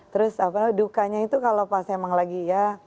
terus dukanya itu kalau pas emang lagi ya